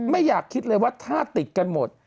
ไม่อยากคิดเลยว่าถ้าติดกันหมด